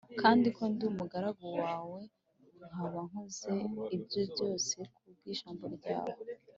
kandi ko ndi umugaragu wawe nkaba nkoze ibyo byose ku bw’ijambo ryawe